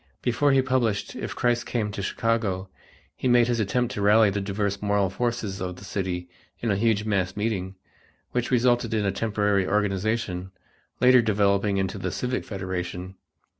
Before he published "If Christ Came to Chicago" he made his attempt to rally the diverse moral forces of the city in a huge mass meeting, which resulted in a temporary organization, later developing into the Civic Federation.